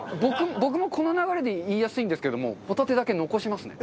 僕もこの流れで言いやすいんですけどもホタテだけ残しますね。